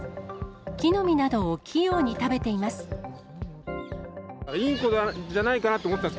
木の実などを器用に食べています。